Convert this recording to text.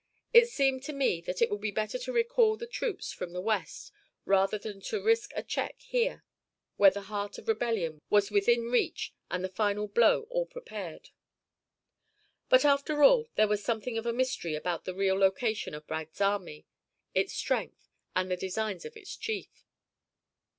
It seemed to me that it would be better to recall the troops from the West rather than to risk a check here, where the heart of rebellion was within reach and the final blow all prepared. But, after all, there was something of a mystery about the real location of Bragg's army, its strength, and the designs of its chief.